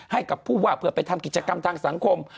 ให้กับผู้ว่าเพื่อไปทำกิจกรรมทางสังคม